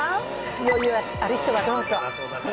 余裕ある人はどうぞ。